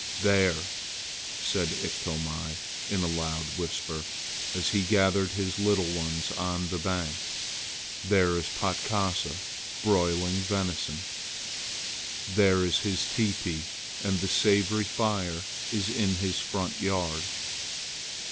"There!" said Iktomi in a loud whisper as he gathered his little ones on the bank. "There is Patkasa broiling venison! There is his teepee, and the savory fire is in his front yard!"